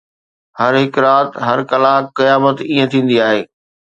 هر هڪ رات، هر ڪلاڪ، قيامت ائين ٿيندي آهي